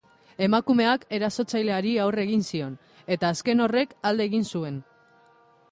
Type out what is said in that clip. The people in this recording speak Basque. Emakumeak erasotzaileari aurre egin zion, eta azken horrek alde egin zuen.